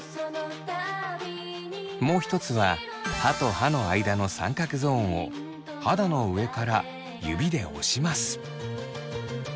もう一つは歯と歯の間の三角ゾーンを肌の上から指で押します。